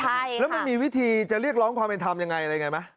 ใช่แล้วมันมีวิธีจะเรียกร้องความเป็นธรรมยังไงอะไรไงไหม